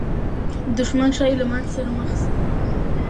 دښمن ښایي له ماتې سره مخامخ سي.